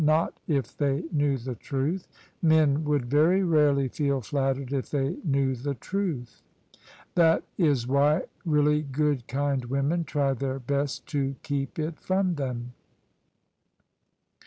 " Not if they knew the truth : men would very rarely feel flattered if they knew the truth. That IS why really good kind women try their best to keep It from them."